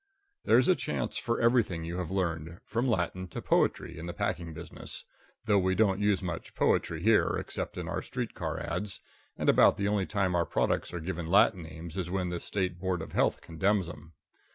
There's a chance for everything you have learned, from Latin to poetry, in the packing business, though we don't use much poetry here except in our street car ads., and about the only time our products are given Latin names is when the State Board of Health condemns them.